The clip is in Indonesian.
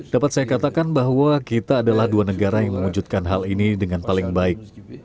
dapat saya katakan bahwa kita adalah dua negara yang mewujudkan hal ini dengan paling baik